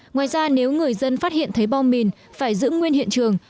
ngoài ra nếu người dân phát hiện thấy bom mìn phải giữ nguyên hiện trường